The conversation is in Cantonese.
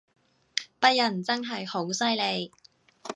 北人真係好犀利